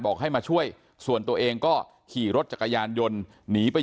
ให้มาช่วยส่วนตัวเองก็ขี่รถจักรยานยนต์หนีไป